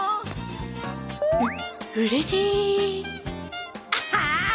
ううれしい！ああ！